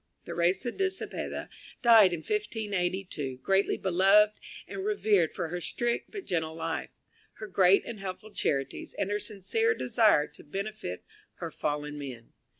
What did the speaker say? Theresa de Cepeda died in 1582, greatly beloved and revered for her strict but gentle life, her great and helpful charities, and her sincere desire to benefit her fellow men.